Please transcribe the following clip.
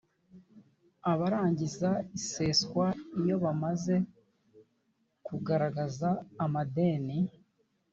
abarangiza iseswa iyo bamaze kugaragaza amadeni